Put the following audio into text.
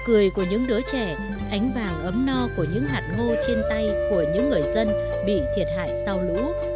cười của những đứa trẻ ánh vàng ấm no của những hạt ngô trên tay của những người dân bị thiệt hại sau lũ